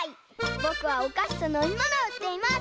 ぼくはおかしとのみものをうっています。